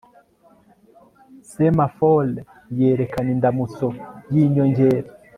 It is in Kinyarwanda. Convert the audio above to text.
semaphores yerekana indamutso yinyongera